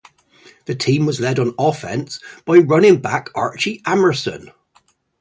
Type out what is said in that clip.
The team was led on offense by running back Archie Amerson.